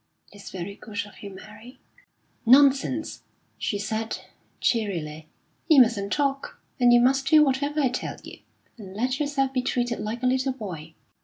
"It's very good of you, Mary." "Nonsense!" she said, cheerily. "You mustn't talk. And you must do whatever I tell you, and let yourself be treated like a little boy."